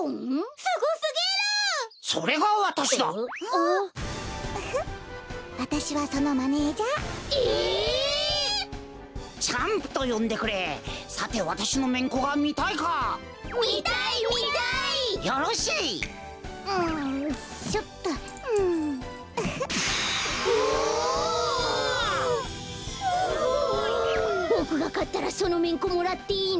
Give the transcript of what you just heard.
すごい！ボクがかったらそのめんこもらっていいの？